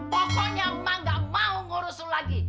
pokoknya emak gak mau ngurus lo lagi